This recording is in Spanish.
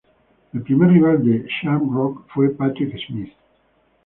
El primer rival de Shamrock fue Patrick Smith.